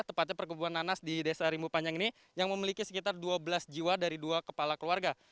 tepatnya perkebunan nanas di desa rimbu panjang ini yang memiliki sekitar dua belas jiwa dari dua kepala keluarga